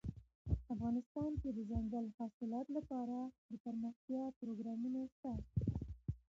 افغانستان کې د دځنګل حاصلات لپاره دپرمختیا پروګرامونه شته.